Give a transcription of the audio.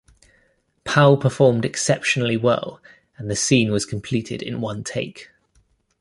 Pal performed exceptionally well and the scene was completed in one take.